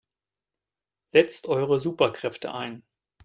Setzt eure Superkräfte ein!